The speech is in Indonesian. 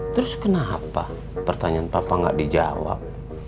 terus kenapa pertanyaan papa nggak dijawab